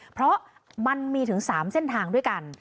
เพราะมันมีถึง๓เส้นทางด้วยกัน